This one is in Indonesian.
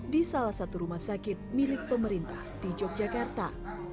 di salah satu rumah sakit milik pemerintah di yogyakarta